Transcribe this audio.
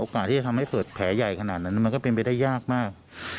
ที่จะทำให้เกิดแผลใหญ่ขนาดนั้นมันก็เป็นไปได้ยากมาก